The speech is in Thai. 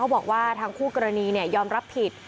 บอกว่าทางคู่กรณียอมรับผิด